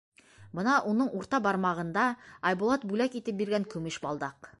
Бына уның урта бармағында Айбулат бүләк итеп биргән көмөш балдаҡ.